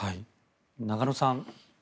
中野さん